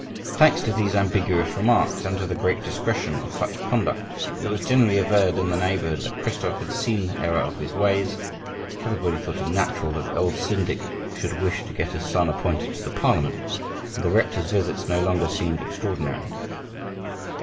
Thanks to these ambiguous remarks and to the great discretion of such conduct, it was generally averred in the neighborhood that Christophe had seen the error of his ways; everybody thought it natural that the old syndic should wish to get his son appointed to the Parliament, and the rector's visits no longer seemed extraordinary.